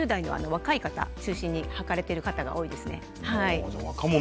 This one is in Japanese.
若い方中心にはかれている方、多いですね。